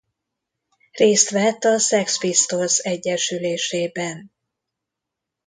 Részt vett a Sex Pistols egyesülésében.